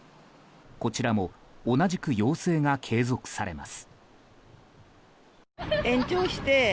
こちらも同じく要請が継続されます。